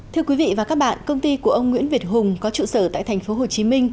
thưa quý vị và các bạn công ty của ông nguyễn việt hùng có trụ sở tại tp hcm